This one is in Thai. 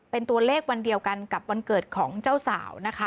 เป็นตัวเลขวันเดียวกันกับวันเกิดของเจ้าสาวนะคะ